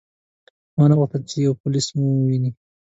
ما نه غوښتل چې پولیس مو وویني.